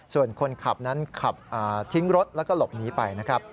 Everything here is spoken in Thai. ส่วนคนขับนั้นขับทิ้งรถแล้วก็หลบหนีไปนะครับ